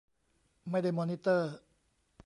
ไม่ได้มอนิเตอร์